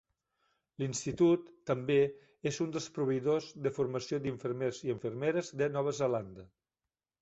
L'institut també és un dels proveïdors de formació d'infermers i infermeres de Nova Zelanda.